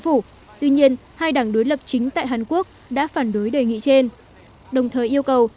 phủ tuy nhiên hai đảng đối lập chính tại hàn quốc đã phản đối đề nghị trên đồng thời yêu cầu